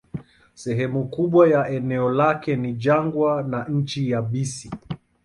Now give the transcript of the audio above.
Sehemu kubwa ya eneo lake ni jangwa na nchi yabisi.